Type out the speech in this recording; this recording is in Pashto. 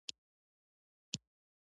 لومړي شرک سېمبولیکو چارو اکتفا کوي.